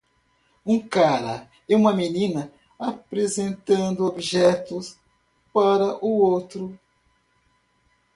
Um cara e uma menina apresentando objeto para o outro.